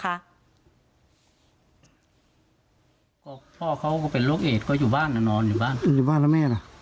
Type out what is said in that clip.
ก็พ่อเขาก็เป็นโรคเอดก็อยู่บ้านนอนอยู่บ้านอยู่บ้านแล้วแม่น่ะ